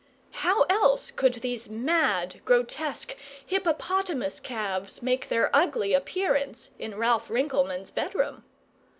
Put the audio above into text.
How else could these mad, grotesque hippopotamus calves make their ugly appearance in Ralph Rinkelmann's bed room?